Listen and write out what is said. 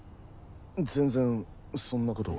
全然そんなこと。